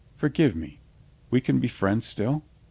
— forgive me. We can be friends still?"